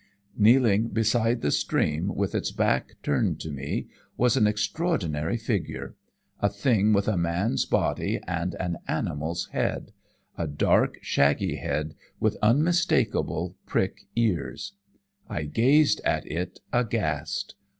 "Kneeling beside the stream with its back turned to me was an extraordinary figure a thing with a man's body and an animal's head a dark, shaggy head with unmistakable prick ears. I gazed at it aghast.